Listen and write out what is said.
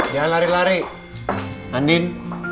jangan lari lari andin